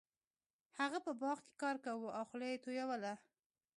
هغه په باغ کې کار کاوه او خوله یې تویوله.